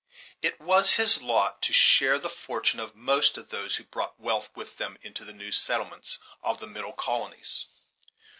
It was his lot to share the fortune of most of those who brought wealth with them into the new settlements of the middle colonies.